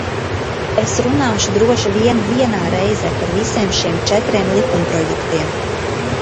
Es runāšu droši vien vienā reizē par visiem šiem četriem likumprojektiem.